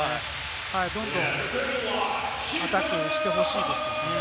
どんどんアタックしてほしいです。